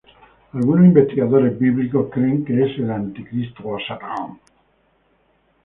Algunos investigadores bíblicos creen que es el anticristo o Satán.